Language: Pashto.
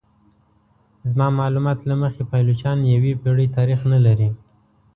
زما معلومات له مخې پایلوچان یوې پیړۍ تاریخ نه لري.